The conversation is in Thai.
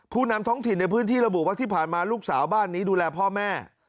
นำท้องถิ่นในพื้นที่ระบุว่าที่ผ่านมาลูกสาวบ้านนี้ดูแลพ่อแม่